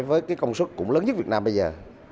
với cái công suất cũng lớn nhất việt nam bây giờ